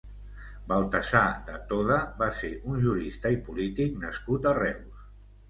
Baltasar de Toda va ser un jurista i polític nascut a Reus.